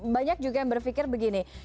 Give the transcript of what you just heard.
banyak juga yang berpikir begini